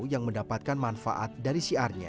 yang mendapatkan manfaat dari siarnya